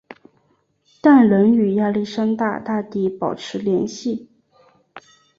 但仍与亚历山大大帝保持联系。